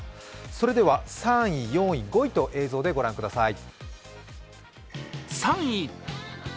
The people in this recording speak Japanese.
それでは３位、４位、５位と映像でご覧ください。